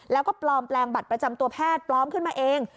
แล้วก็ปลอมแปลงบัตรประจำตัวแพทย์ปลอมขึ้นมาเอง